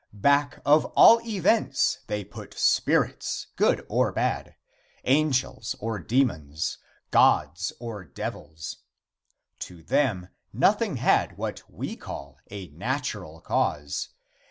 Back of all events they put spirits, good or bad, angels or demons, gods or devils. To them nothing had what we call a natural cause.